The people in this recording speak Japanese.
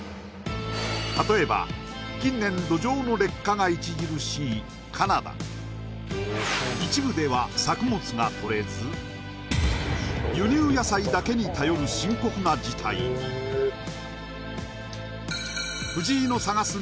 例えば近年土壌の劣化が著しいカナダ一部では作物がとれず輸入野菜だけに頼る深刻な事態に藤井の探す